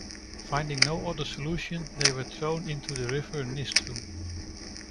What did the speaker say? Finding no other solution, they were thrown into the river Nistru.